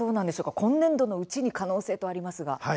今年度のうちに可能性とありますが。